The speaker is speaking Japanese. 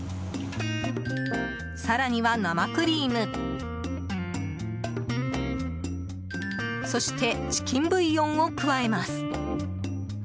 更には、生クリームそしてチキンブイヨンを加えます。